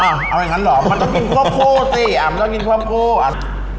อ่าเอาอย่างงั้นเหรอมันต้องกินควบคู่สิอ่ามันต้องกินควบคู่อ่า